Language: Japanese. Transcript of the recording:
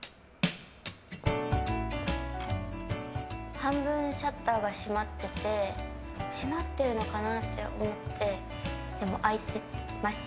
半分シャッターが閉まってて閉まってるのかな？って思ってでも開いてました。